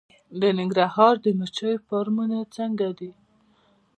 د ننګرهار د مچیو فارمونه څنګه دي؟